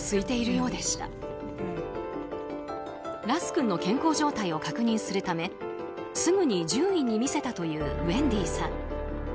ラス君の健康状態を確認するためすぐに獣医に診せたというウェンディーさん。